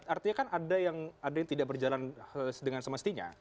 artinya kan ada yang tidak berjalan dengan semestinya